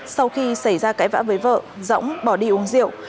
sau khi xảy ra cãi vã với vợ dõng bỏ đi uống rượu